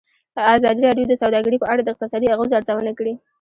ازادي راډیو د سوداګري په اړه د اقتصادي اغېزو ارزونه کړې.